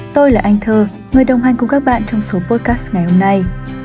tôi là anh thơ người đồng hành cùng các bạn trong số pocas ngày hôm nay